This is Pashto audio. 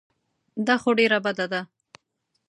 دا خو ډېره بده ده.